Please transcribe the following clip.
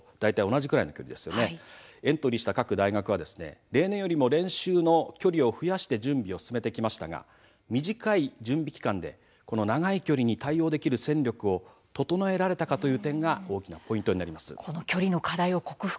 エントリーした各大学は例年よりも練習の距離を増やして準備を進めてきましたが短い準備期間で長い距離に対応できる戦力を整えられるかという点が大きなポイントになります。